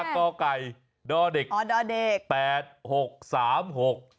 ๕กกดเด็กแปดหกสามหก